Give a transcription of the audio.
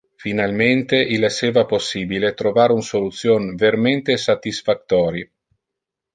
Finalmente il esseva possibile trovar un solution vermente satisfactori.